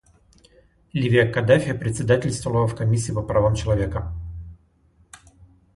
Ливия Каддафи председательствовала в Комиссии по правам человека.